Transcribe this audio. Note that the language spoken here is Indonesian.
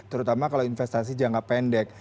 terutama kalau investasi jangka pendek